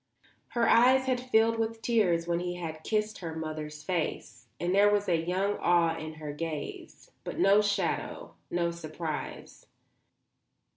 Her eyes had filled with tears when he had kissed her mother's face, and there was young awe in her gaze; but no shadow, no surprise.